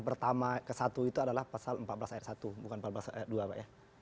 pertama kesatu itu adalah pasal empat belas r satu bukan empat belas r dua pak ya